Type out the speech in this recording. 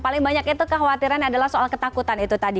paling banyak itu kekhawatiran adalah soal ketakutan itu tadi